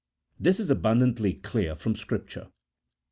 This is abundantly clear from Scripture.